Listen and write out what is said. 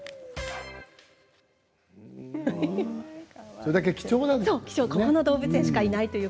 それだけ貴重なんですね。